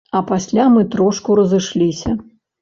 А пасля мы трошку разышліся.